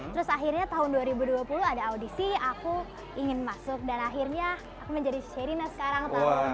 terus akhirnya tahun dua ribu dua puluh ada audisi aku ingin masuk dan akhirnya aku menjadi serina sekarang tahun dua ribu dua puluh